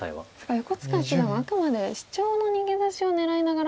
横塚七段はあくまでシチョウの逃げ出しを狙いながら。